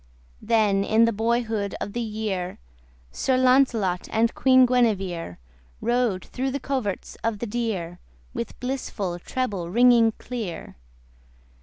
Then, in the boyhood of the year, Sir Launcelot and Queen Guinevere Rode thro' the coverts of the deer, With blissful treble ringing clear.